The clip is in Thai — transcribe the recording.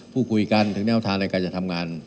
พูดคุยกันถึงแนวทางในการจะทำงาน